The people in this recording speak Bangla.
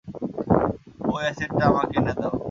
ওই অ্যাসেটটা আমাকে এনে দাও।